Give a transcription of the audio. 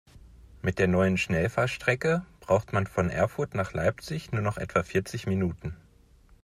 Mit der neuen Schnellfahrstrecke braucht man von Erfurt nach Leipzig nur noch etwa vierzig Minuten